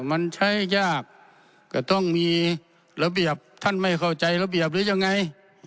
มันใช้ยากก็ต้องมีระเบียบท่านไม่เข้าใจระเบียบหรือยังไง